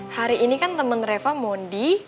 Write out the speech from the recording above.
hari ini kan temen reva mondi